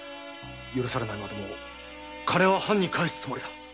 許されないまでも金は藩に返すつもりだ。